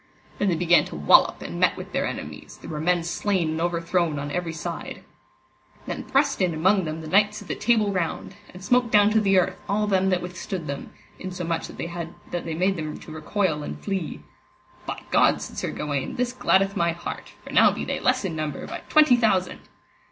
Then they began to wallop and met with their enemies, there were men slain and overthrown on every side. Then thrust in among them the knights of the Table Round, and smote down to the earth all them that withstood them, in so much that they made them to recoil and flee. By God, said Sir Gawaine, this gladdeth my heart, for now be they less in number by twenty thousand.